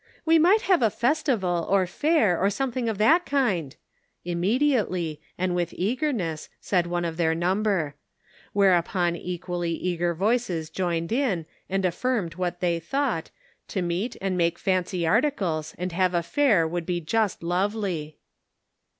" We might have a festival, or fair, or some thing of that kind," immediately, and with eagerness, said one of their number; where upon equally eager voices joined in and affirmed what they thought, to meet and make fancy articles, and have a fair would be just lovely.